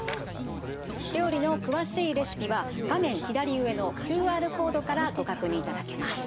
料理の詳しいレシピは画面左上のＱＲコードからご確認いただけます。